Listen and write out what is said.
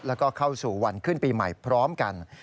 แล้วก็เข้าสู่วันขึ้นปีใหม่พร้อมกัน